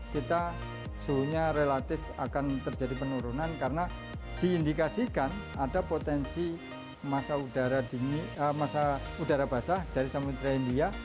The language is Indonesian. kita suhunya relatif akan terjadi penurunan karena diindikasikan ada potensi masa udara basah dari samudera india